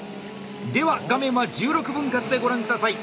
では画面は１６分割でご覧下さい！